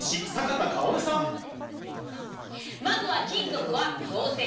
まずは金属は陽性。